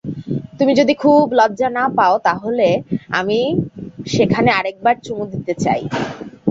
তুমি যদি খুব লজ্জা না পাও তাহলে আমি সেখানে আরেকবার চুমু দিতে চাই।